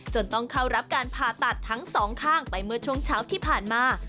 ต้องเข้ารับการผ่าตัดทั้งสองข้างไปเมื่อช่วงเช้าที่ผ่านมา